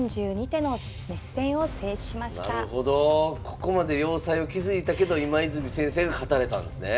ここまで要塞を築いたけど今泉先生が勝たれたんですね。